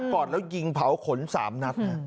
ก่อนแล้วยิงเผาขน๓นัด